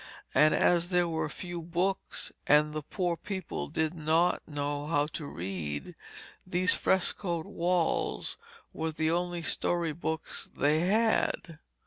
And as there were few books, and the poor people did not know how to read, these frescoed walls were the only story books they had.